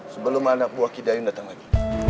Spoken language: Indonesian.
sebelum anak buah kita ini datang lagi